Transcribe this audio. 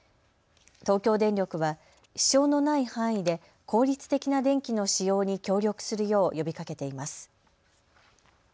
東京電力は、支障のない範囲で効率的な電気の使用に協力するよう呼びかけています。